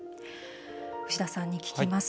牛田さんに聞きます。